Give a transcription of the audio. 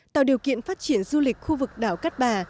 tạo điều kiện phát triển du lịch khu vực đảo cát bà